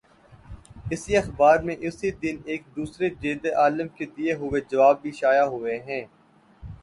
اسی اخبار میں، اسی دن، ایک دوسرے جید عالم کے دیے ہوئے جواب بھی شائع ہوئے ہیں۔